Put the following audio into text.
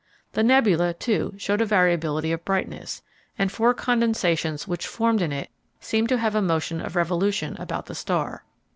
The nebula too showed a variability of brightness, and four condensations which formed in it seemed to have a motion of revolution about the star.